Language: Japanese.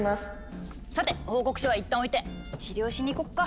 さて報告書はいったんおいて治療しに行こっか！